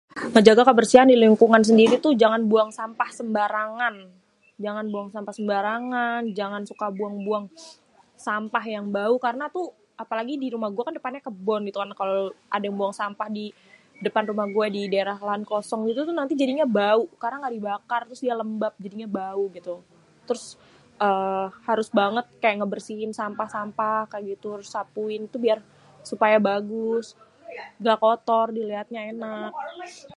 Menjaga kebersihan di lingkungan sendiri tuh jangan buang sampah sembarangan. Jangan buang sampah sembarangan, jangan suka buang-buang sampah yang bau. Karna tuh, apalagi di rumah gua kan depannya kebon gitu kan kalo ada yang buang sampah di depan rumah gua di daerah lahan kosong gitu tuh nanti jadinya bau karna gak dibakar, terus dia lembab, jadinya bau gitu. Terus eee harus banget kayak ngebersihin sampah-sampah kayak gitu, harus disapuin. Itu biar supaya bagus, nggak kotor, diliatnya enak.